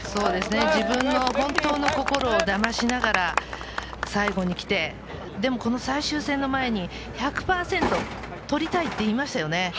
自分の本当の心をだましながら、最後に来てでも最終戦の前に１００％取りたいと言いましたね。